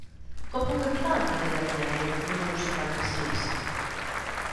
Com puc arribar al carrer de Benevent número cinquanta-sis?